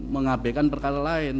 mengabekkan perkara lain